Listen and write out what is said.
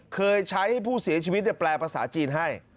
เคยใช้ให้ผู้เสียชีวิตแปลภาษาจีนให้